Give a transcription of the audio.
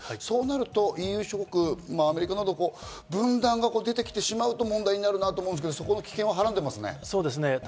そうなるとＥＵ諸国、アメリカなど、分断が出てきてしまうと問題になるなと思うんですけど、そこは危険をはらんでますね。